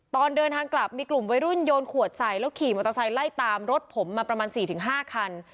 ตอนเดินทางกลับมีกลุ่มวัยรุ่นโยนขวดใส่แล้วขี่มอเตอร์ไซค์ไล่ตามรถผมมาประมาณ๔๕คัน